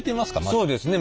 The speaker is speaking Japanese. そうですね。